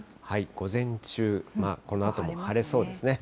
午前中、このあとも晴れそうですね。